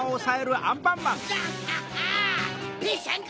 アンパンマン！